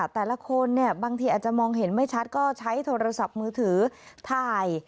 แต่ละคนเนี่ยบางทีอาจจะมองเห็นไม่ชัดก็ใช้โทรศัพท์มือถือถ่าย